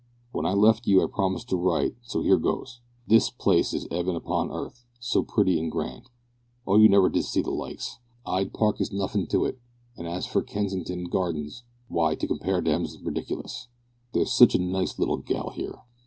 wen i left you i promisd to rite so heer gos. this Plase is eaven upon arth. so pritty an grand. O you never did see the likes. ide park is nuffin to it, an as for Kensintn gardings wy to kompair thems rediklis. theres sitch a nice little gal here.